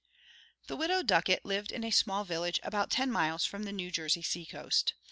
The widow Ducket lived in a small village about ten miles from the New Jersey seacoast.